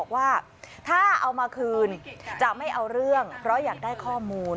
ว่าถ้าเอามาคืนจะไม่เอาเรื่องเพราะอยากได้ข้อมูล